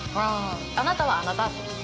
あなたはあなた。